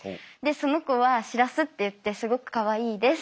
その子はシラスっていってすごくかわいいです。